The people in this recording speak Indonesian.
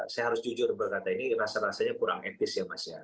saya harus jujur berkata ini rasa rasanya kurang etis ya mas ya